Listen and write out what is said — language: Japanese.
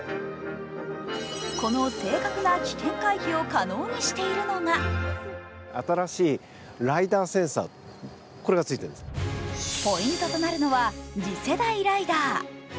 この正確な危険回避を可能にしているのがポイントとなるのは次世代ライダー。